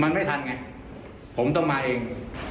มันไม่ทันไงผมต้องมาเอง